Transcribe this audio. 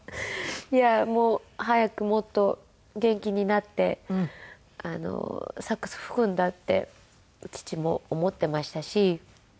いやもう早くもっと元気になってサックス吹くんだって父も思っていましたし。